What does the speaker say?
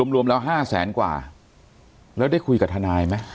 รวมแล้ว๕แสนกว่าแล้วได้คุยกับทนายไหม